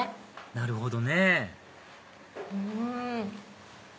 なるほどねうん！